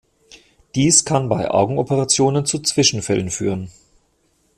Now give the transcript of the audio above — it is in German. Dies kann bei Augenoperationen zu Zwischenfällen führen.